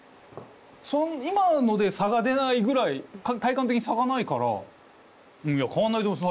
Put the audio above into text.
今ので差が出ないぐらい体感的に差がないから変わんないと思います。